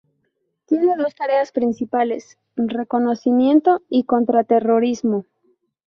Tiene dos tareas principales, reconocimiento y contraterrorismo.